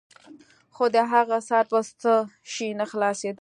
خو د هغه سر په څه شي نه خلاصېده.